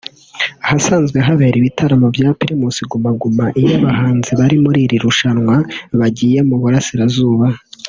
ahasanzwe habera ibitaramo bya Primus Guma Guma iyo abahanzi bari muri iri rushanwa bagiye mu burasirazuba